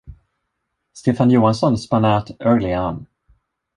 Stefan Johansson spun out early on.